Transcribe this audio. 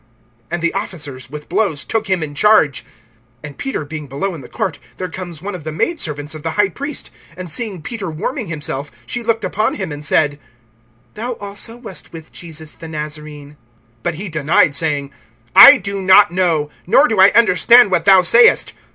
And the officers, with blows, took him in charge. (66)And Peter being below in the court, there comes one of the maid servants of the high priest; (67)and seeing Peter warming himself, she looked upon him, and said: Thou also wast with Jesus the Nazarene. (68)But he denied, saying: I do not know, nor do I understand what thou sayest.